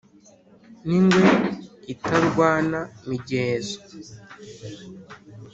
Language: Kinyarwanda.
n'ingwe itarwana migezo